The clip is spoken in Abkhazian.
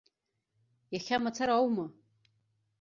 Иахьа мацара аума?